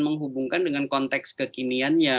menghubungkan dengan konteks kekiniannya